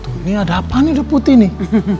tuh nih ada apaan ini udah putih nih